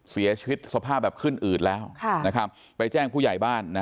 เสียชีวิตสภาพแบบขึ้นอืดแล้วไปแจ้งผู้ใหญ่บ้าน